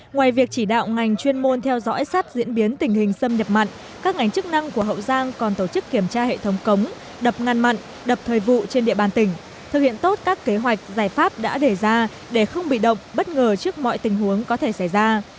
ngoài việc chỉ đạo ngành chuyên môn theo dõi sát diễn biến tình hình xâm nhập mặn các ngành chức năng của hậu giang còn tổ chức kiểm tra hệ thống cống đập ngăn mặn đập thời vụ trên địa bàn tỉnh thực hiện tốt các kế hoạch giải pháp đã đề ra để không bị động bất ngờ trước mọi tình huống có thể xảy ra